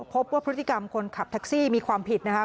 พบว่าพฤติกรรมคนขับแท็กซี่มีความผิดนะครับ